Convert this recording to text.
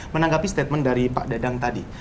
menanggapi statement dari pak dadang tadi